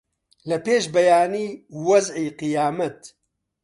لە پێش بەیانی وەزعی قیامەت